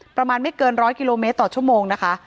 ประมาณไม่เกินร้อยกิโลเมตรต่อชั่วโมงนะคะ